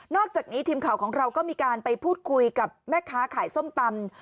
อกจากนี้ทีมข่าวของเราก็มีการไปพูดคุยกับแม่ค้าขายส้มตำ